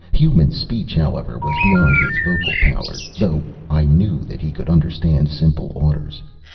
Human speech, however, was beyond his vocal powers, though I knew that he could understand simple orders.